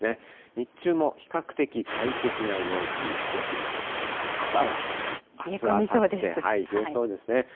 日中も比較的快適な陽気ですが、朝はあす、あさって、冷え込みそうですね。